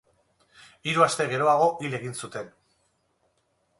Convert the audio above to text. Hiru aste geroago, hil egin zuten.